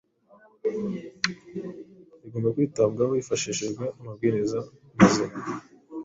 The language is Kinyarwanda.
bigomba kwitabwaho hifashishijwe amabwiriza mazima